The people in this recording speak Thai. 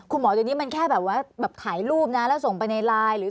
คุณหมอตอนนี้มันแค่แบบขายรูปส่งประเทศในไลน์